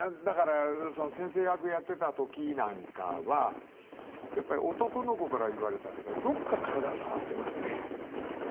先生役をやっていたときなんかは男の子から言われたけどどこか体を触ってますね。